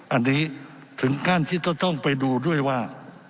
อันนี้ถึงขั้นที่ต้องไปดูด้วยว่า